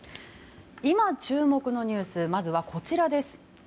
今、注目のニュースまずはこちらです。